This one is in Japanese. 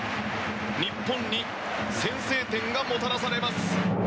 日本に先制点がもたらされます。